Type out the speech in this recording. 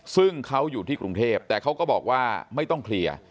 ซึ่งเขาอยู่ที่กรุงเทพแต่เขาก็บอกว่าไม่ต้องเคลียร์